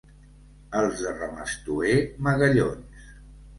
Els de Ramastué, magallons.